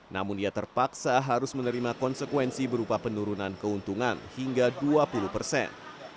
namun dia terpaksa harus menerima konsekuensi berupa penurunan keuntungan hingga dua puluh persen